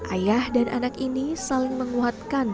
ayah dan anak ini saling menguatkan